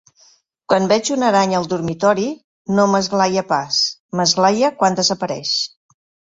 Quan veig una aranya al dormitori, no m'esglaie pas; m'esglaie quan desapareix...